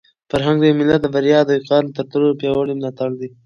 فرهنګ د یو ملت د بریا او د وقار تر ټولو پیاوړی ملاتړی دی.